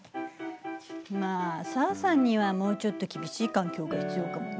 まあ紗和さんにはもうちょっと厳しい環境が必要かもね。